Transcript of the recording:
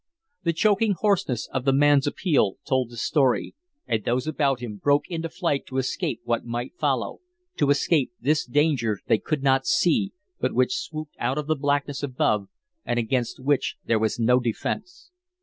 The choking hoarseness of the man's appeal told the story, and those about him broke into flight to escape what might follow, to escape this danger they could not see but which swooped out of the blackness above and against which there was no defence.